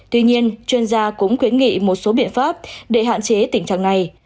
tuy nhiên chuyên gia cũng khuyến nghị một số biện pháp để hạn chế tình trạng này